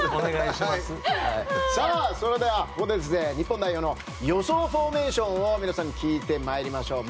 それではここで日本代表の予想フォーメーションを皆さんに聞いてまいりましょう。